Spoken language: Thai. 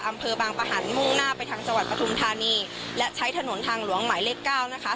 อำเภอบางประหันมุ่งหน้าไปทางจังหวัดปฐุมธานีและใช้ถนนทางหลวงหมายเลขเก้านะคะ